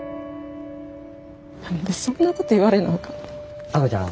何でそんなこと言われなあかんねん。